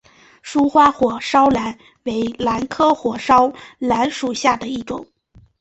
疏花火烧兰为兰科火烧兰属下的一个种。